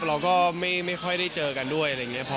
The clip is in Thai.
เราก็ไม่ค่อยได้เจอกันด้วยอะไรอย่างนี้